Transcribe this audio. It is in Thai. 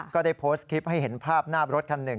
ก็ได้โพสต์คลิปให้เห็นภาพหน้ารถคันหนึ่ง